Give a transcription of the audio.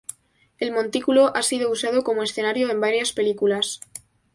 El Montículo ha sido usado como escenario en varias películas.